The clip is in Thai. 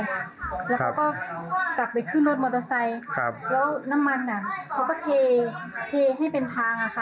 แล้วเขาก็กลับไปขึ้นรถมอเตอร์ไซค์ครับแล้วน้ำมันอ่ะเขาก็เทให้เป็นทางอะค่ะ